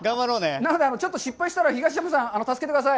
なので、ちょっと失敗したら、東山さん、助けてください。